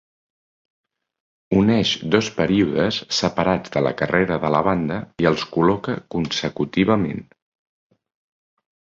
Uneix dos períodes separats de la carrera de la banda i els col·loca consecutivament.